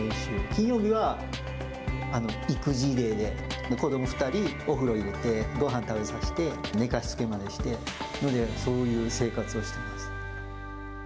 金曜日は育児デーで、子ども２人、お風呂入れて、ごはん食べさせて、寝かしつけまでして、そういう生活をしてます。